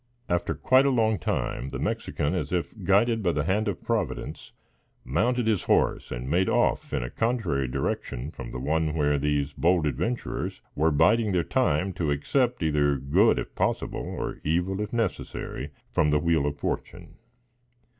After quite a long time, the Mexican, as if guided by the hand of Providence, mounted his horse and made off in a contrary direction from the one where these bold adventurers were biding their time to accept either good, if possible, or evil, if necessary, from the wheel of fortune.